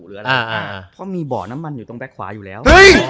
เพราะมีบ่อน้ำมันอยู่ตรงแบบขวาอยู่แล้ว